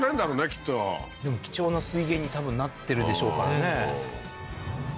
きっとでも貴重な水源に多分なってるでしょうからね